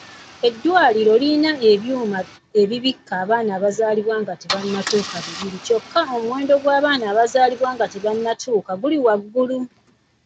Eddwaliro lirina ebyuma ebibikka abaana abaazaalibwa nga tebannatuuka babiri kyokka omuwendo gw'abaana abazaalibwa nga tebannatuuka guli waggulu.